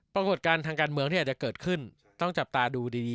ปรากฏการณ์ทางการเมืองที่อาจจะเกิดขึ้นต้องจับตาดูดี